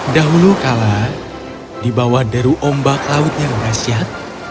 dahulu kala di bawah daru ombak laut yang berasyat